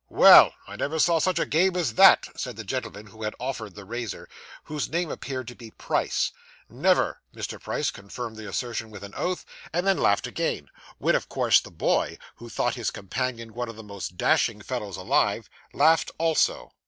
'Well, I never saw such a game as that,' said the gentleman who had offered the razor, whose name appeared to be Price. 'Never!' Mr. Price confirmed the assertion with an oath, and then laughed again, when of course the boy (who thought his companion one of the most dashing fellows alive) laughed also.